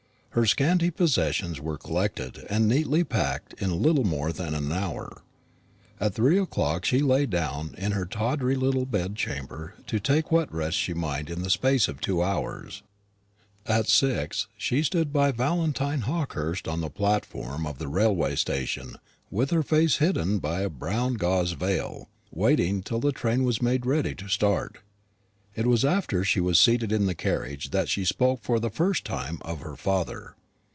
Her scanty possessions were collected, and neatly packed, in little more than an hour. At three o'clock she lay down in her tawdry little bed chamber to take what rest she might in the space of two hours. At six she stood by Valentine Hawkehurst on the platform of the railway station, with her face hidden by a brown gauze veil, waiting till the train was made ready to start. It was after she was seated in the carriage that she spoke for the first time of her father.